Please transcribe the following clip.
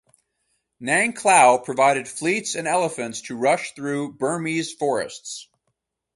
Nangklao provided fleets and elephants to rush through Burmese forests.